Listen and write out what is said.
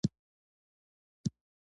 زه په خپله هټۍ کې خوراکي توکې پلورم.